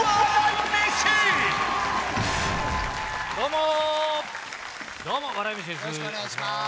よろしくお願いします